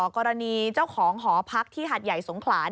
กรณีเจ้าของหอพักที่หัดใหญ่สงขลา